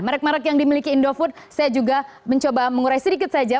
merek merek yang dimiliki indofood saya juga mencoba mengurai sedikit saja